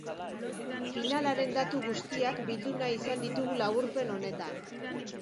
Finalaren datu guztiak bildu nahi izan ditugu laburpen honetan.